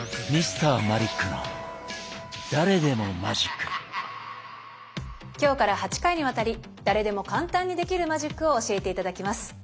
マジックは今日から８回にわたり誰でも簡単にできるマジックを教えて頂きます。